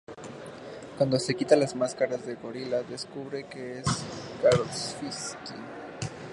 Cuando se quita la máscara de gorila, descubre que es Karofsky.